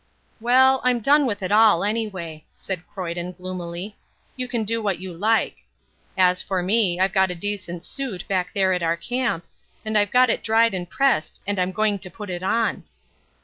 "Well, I'm done with it all anyway," said Croyden gloomily. "You can do what you like. As for me, I've got a decent suit back there at our camp, and I've got it dried and pressed and I'm going to put it on."